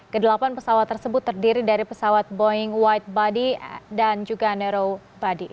kedelapan pesawat tersebut terdiri dari pesawat boeing widebody dan juga narrowbody